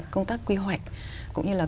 công tác quy hoạch cũng như là